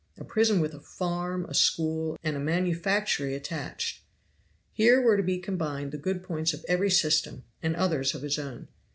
A prison with a farm, a school, and a manufactory attached. Here were to be combined the good points of every system, and others of his own.